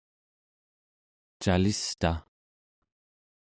calista